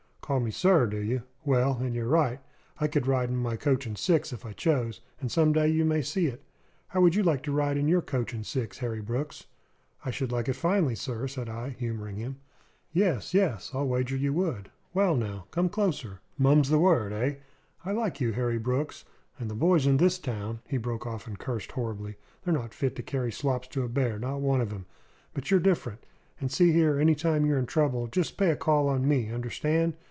"Call me 'sir,' do you? Well, and you're right. I could ride in my coach and six if I chose; and some day you may see it. How would you like to ride in your coach and six, Harry Brooks?" "I should like it finely, sir," said I, humouring him. "Yes, yes, I'll wager you would. Well, now come closer. Mum's the word, eh? I like you, Harry Brooks; and the boys in this town " he broke off and cursed horribly "they're not fit to carry slops to a bear, not one of 'em. But you're different. And, see here: any time you're in trouble, just pay a call on me. Understand?